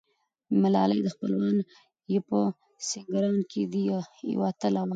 ملالۍ چې خپلوان یې په سینګران کې دي، یوه اتله وه.